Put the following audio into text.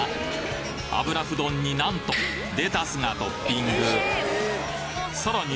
油麩丼に何とレタスがトッピングさらに